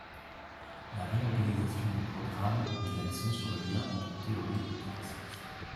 La réorganisation des programmes mit l’accent sur le lien entre théorie et pratique.